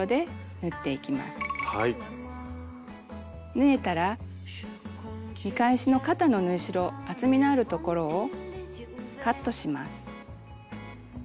縫えたら見返しの肩の縫い代厚みのあるところをカットします。